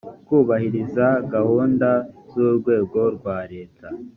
kubahiriza gahunda z urwego rwa leta